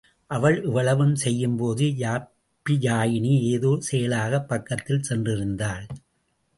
அவள் இவ்வளவும் செய்யும்போது யாப்பியாயினி ஏதோ செயலாகப் பக்கத்தில் சென்றிருந்தாள்.